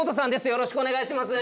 よろしくお願いします。